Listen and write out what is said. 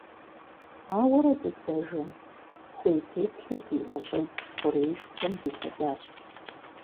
Ауэрэ дыздэжэм, хуей теплъэ зиIэ щIыгу хъуреишхуэм дилъэдащ.